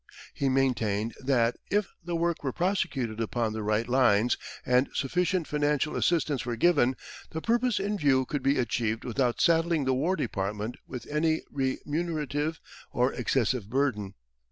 He maintained that, if the work were prosecuted upon the right lines and sufficient financial assistance were given, the purpose in view could be achieved without saddling the war department with any unremunerative or excessive burden.